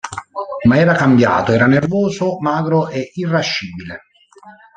Ma era cambiato, era nervoso, magro e irascibile.